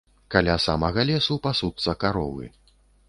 Каля самага лесу пасуцца каровы.